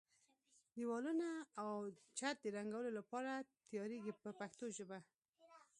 دېوالونه او چت د رنګولو لپاره تیاریږي په پښتو ژبه.